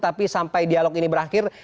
tapi sampai dialog ini berakhir